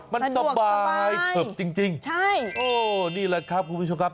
มันสบายเฉิบจริงจริงใช่โอ้นี่แหละครับคุณผู้ชมครับ